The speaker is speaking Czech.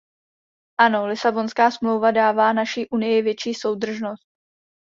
Ano, Lisabonská smlouva dává naší unii větší soudržnost.